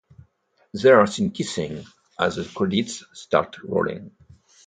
They are seen kissing as the credits start rolling.